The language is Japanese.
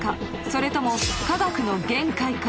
それとも科学の限界か？